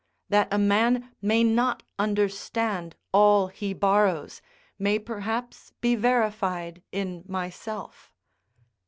That a man may not understand all he borrows, may perhaps be verified in myself.